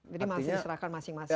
masih diserahkan masing masing